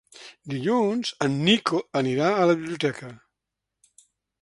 Dilluns en Nico anirà a la biblioteca.